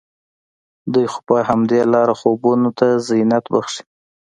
دوی خو په همدې لاره خوبونو ته زينت بښي